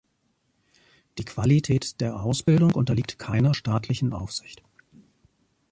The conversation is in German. Die Qualität der Ausbildung unterliegt keiner staatlichen Aufsicht.